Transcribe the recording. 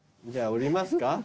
じゃあ降りますか。